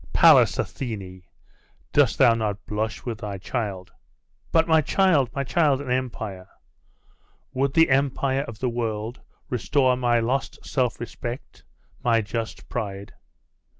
Pallas Athene! dost thou not blush with thy child?' 'But, my child my child, an empire ' 'Would the empire of the world restore my lost self respect my just pride?